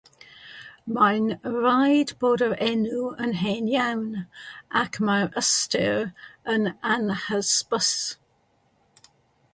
Mae'n rhaid bod yr enw yn hen iawn ac mae'r ystyr yn anhysbys.